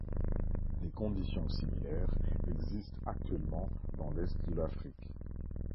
Des conditions similaires existent actuellement dans l'Est de l'Afrique.